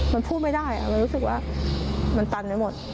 มันพูดไม่ได้มันรู้สึกว่ามันตันไปหมด